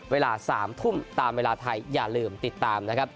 เวลา๓ทุ่มตามเวลาไทยอย่าลืมติดตามนะครับ